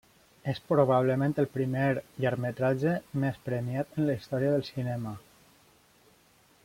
És probablement el primer llargmetratge més premiat en la història del cinema.